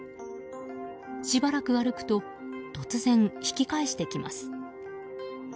しばらく歩くと突然引き返してきます。